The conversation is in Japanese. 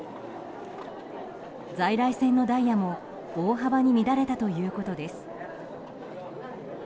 在来線のダイヤも大幅に乱れたということです。